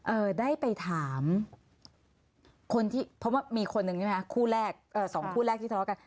เอ่อได้ไปถามคนที่เพราะว่ามีคนหนึ่งใช่ไหมคะคู่แรกเอ่อสองคู่แรกที่ทะเลาะกัน